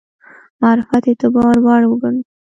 معرفت اعتبار وړ وګڼو.